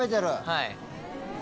はい。